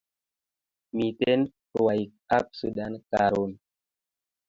Miten rwaik ab sudan karon